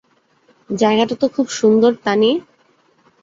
জায়গাটা তো খুব সুন্দর, তানি!